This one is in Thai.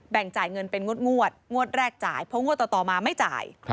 จ่ายเงินเป็นงวดงวดแรกจ่ายเพราะงวดต่อมาไม่จ่าย